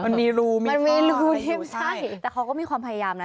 มันมีรูมีท่อมันมีรูใช่แต่เขาก็มีความพยายามนะ